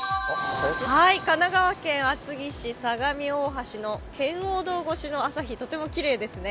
神奈川県厚木市相模大橋の圏央道越しの朝日とてもきれいですね。